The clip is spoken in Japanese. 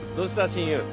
親友。